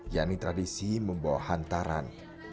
yang di tradisi membawa hantaran